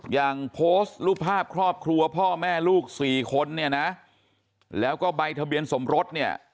อย่างโพสต์รูปภาพครอบครัวพ่อแม่ลูก๔คนแล้วก็ใบทะเบียนสมรส